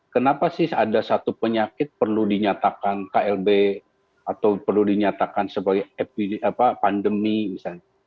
kenapa sih ada satu penyakit perlu dinyatakan klb atau perlu dinyatakan sebagai pandemi misalnya